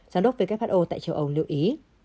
giám đốc who tại châu âu lưu ý